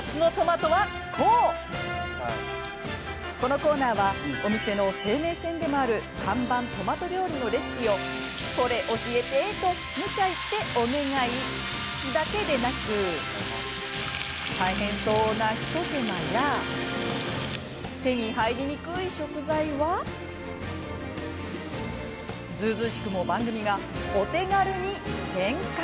このコーナーはお店の生命線でもある看板トマト料理のレシピをそれ教えて！とむちゃ言ってお願いだけではなく大変そうな一手間や手に入りにくい食材はずうずうしくも番組がお手軽に変換。